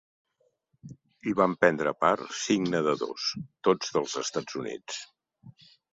Hi van prendre part cinc nedadors, tots dels Estats Units.